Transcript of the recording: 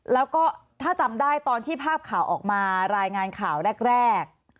แล้วก็ถ้าจำได้ตอนที่ภาพข่าวออกมารายงานข่าวแรก